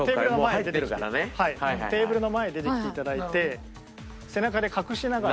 テーブルの前へ出てきていただいて背中で隠しながら。